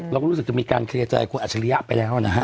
เราก็รู้สึกจะมีการเคลียร์ใจคุณอัจฉริยะไปแล้วนะฮะ